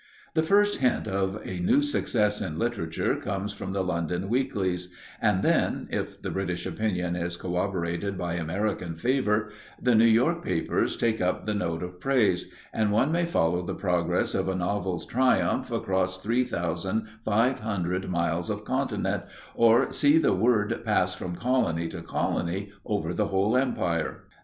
The first hint of a new success in literature comes from the London weeklies, and then, if the British opinion is corroborated by American favour, the New York papers take up the note of praise, and one may follow the progress of a novel's triumph across three thousand five hundred miles of continent, or see the word pass from colony to colony, over the whole empire.